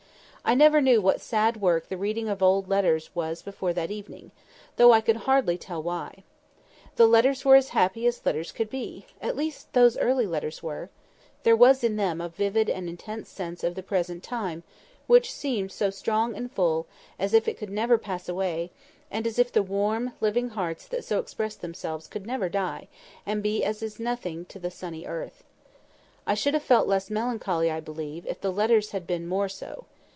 I never knew what sad work the reading of old letters was before that evening, though I could hardly tell why. The letters were as happy as letters could be—at least those early letters were. There was in them a vivid and intense sense of the present time, which seemed so strong and full, as if it could never pass away, and as if the warm, living hearts that so expressed themselves could never die, and be as nothing to the sunny earth. I should have felt less melancholy, I believe, if the letters had been more so.